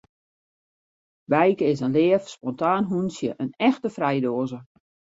Bijke is in leaf, spontaan hûntsje, in echte frijdoaze.